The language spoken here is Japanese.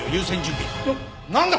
ななんだ！？